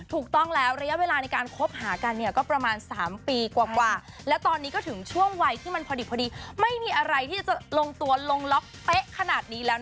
ถูกต้องแล้วระยะเวลาในการคบหากันเนี่ยก็ประมาณ๓ปีกว่า